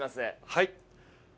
はい。